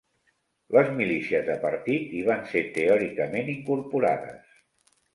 Les milícies de partit hi van ser teòricament incorporades.